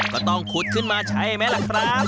ก็ต้องขุดขึ้นมาใช่ไหมล่ะครับ